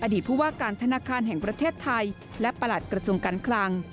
ผู้ว่าการธนาคารแห่งประเทศไทยและประหลัดกระทรวงการคลัง